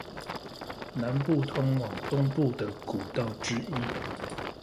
南部通往東部的古道之一